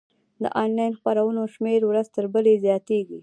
د انلاین خپرونو شمېره ورځ تر بلې زیاتیږي.